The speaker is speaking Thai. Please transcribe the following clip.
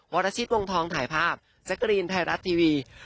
วรชิตวงทองถ่ายภาพแจ๊กรีนไทยรัฐทีวี